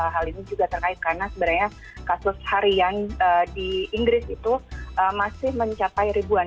hal ini juga terkait karena sebenarnya kasus harian di inggris itu masih mencapai ribuan